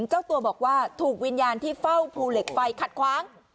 เจ้าตัวบอกว่าถูกวิญญาณที่เฝ้าภูเหล็กไฟขัดขวาง